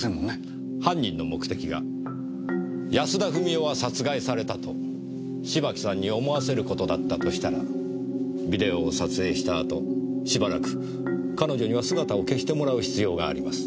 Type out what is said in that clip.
犯人の目的が安田富美代は殺害されたと芝木さんに思わせる事だったとしたらビデオを撮影した後しばらく彼女には姿を消してもらう必要があります。